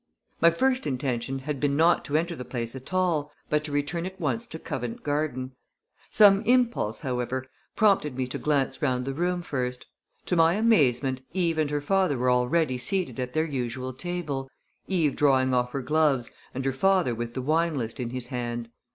My first intention had been not to enter the place at all, but to return at once to Covent Garden. Some impulse, however, prompted me to glance round the room first. To my amazement Eve and her father were already seated at their usual table Eve drawing off her gloves and her father with the wine list in his hand.